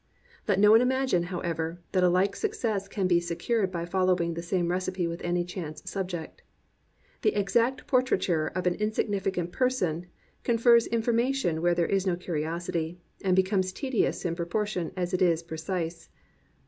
Let no one imagine, however, that a like success can be secured by following the same recipe with any chance subject. The exact portraiture of an insignificant person confers information where there is no curiosity, and becomes tedious in proportion as it is precise.